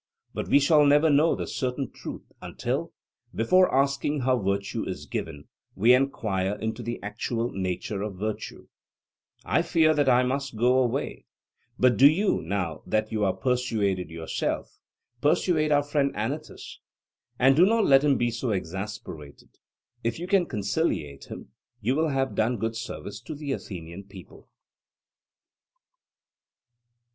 But we shall never know the certain truth until, before asking how virtue is given, we enquire into the actual nature of virtue. I fear that I must go away, but do you, now that you are persuaded yourself, persuade our friend Anytus. And do not let him be so exasperated; if you can conciliate him, you will have done good service to the Athenian people.